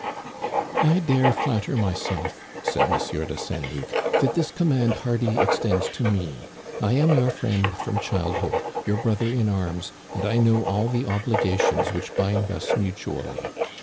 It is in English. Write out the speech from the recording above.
"I dare flatter myself," said M. de Saint Luc, "that this command hardly extends to me. I am your friend from childhood, your brother in arms, and I know all the obligations which bind us mutually.